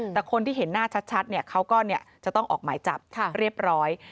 แต่คนที่เห็นหน้าชัดเขาก็จะต้องออกหมายจับเรียบร้อย